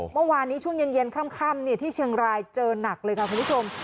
เมื่อวานนี้ช่วงเย็นค่ำที่เชียงรายเจอหนักเลยค่ะคุณผู้ชม